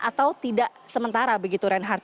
atau tidak sementara begitu reinhardt